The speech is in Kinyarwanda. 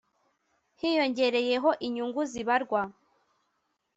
hiyongereyeho inyungu zibarwa